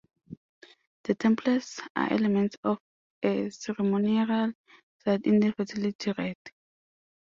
The temples are elements of a ceremonial site in a fertility rite.